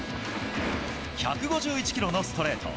１５１キロのストレート。